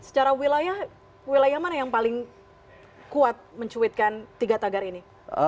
secara wilayah mana yang paling kuat mencuitkan tiga tagar ini